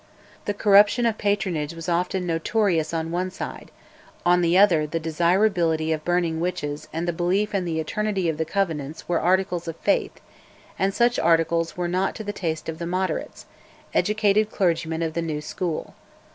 The corruption of patronage was often notorious on one side; on the other the desirability of burning witches and the belief in the eternity of the Covenants were articles of faith; and such articles were not to the taste of the "Moderates," educated clergymen of the new school.